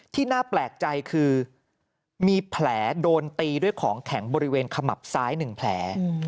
ที่น่าแปลกใจคือมีแผลโดนตีด้วยของแข็งบริเวณขมับซ้าย๑แผล